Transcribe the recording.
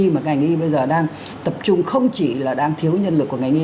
mà ngành y bây giờ đang tập trung không chỉ là đang thiếu nhân lực của ngành y